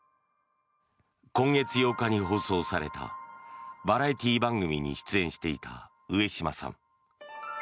今月８日に放送されたバラエティー番組に出演していた上島さん。